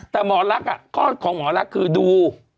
แต่มอลักษณ์อ่ะก็ความของมอลักษณ์คือดู